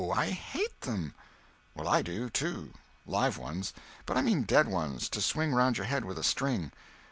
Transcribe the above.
I hate them!" "Well, I do, too—live ones. But I mean dead ones, to swing round your head with a string."